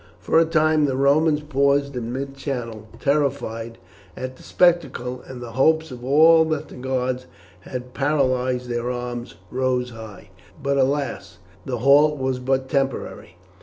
For a time the Romans paused in mid channel, terrified at the spectacle, and the hopes of all that the gods had paralysed their arms rose high; but, alas! the halt was but temporary.